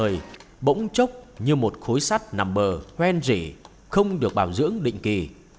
một người bỗng chốc như một khối sắt nằm bờ hoen rỉ không được bảo dưỡng định kỳ